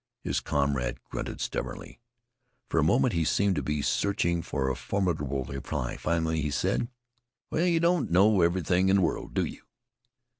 His comrade grunted stubbornly. For a moment he seemed to be searching for a formidable reply. Finally he said: "Well, you don't know everything in the world, do you?"